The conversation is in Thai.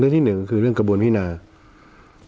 เรื่องที่๑คือเรื่องกระบวนพินาคดี